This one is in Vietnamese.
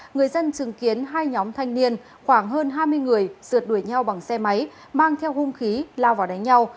người dân chứng kiến hai nhóm thanh niên khoảng hơn hai mươi người rượt đuổi nhau bằng xe máy mang theo hung khí lao vào đánh nhau